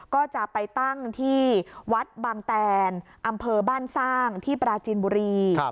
ก็จะไปตั้งที่วัดบางแตนอำเภอบ้านสร้างที่ปราจินบุรี